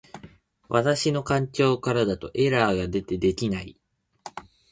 私の環境からだとエラーが出て出来ない